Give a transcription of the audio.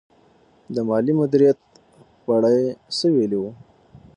د مالي مدیریت په اړه یې څه ویلي وو؟